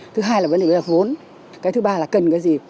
thứ hai là vấn đề là vốn cái thứ ba là cần cái gì